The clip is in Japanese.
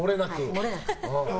もれなく。